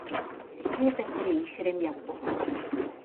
Hetaiterei che rembiapo.